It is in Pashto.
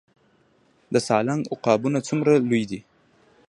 د سالنګ عقابونه څومره لوی دي؟